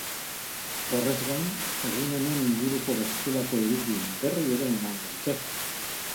Horrez gain, egun honen inguruko bestelako edukien berri ere emango dute.